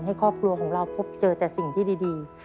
ให้ครอบครัวของเราพบเจอแต่สิ่งที่ดี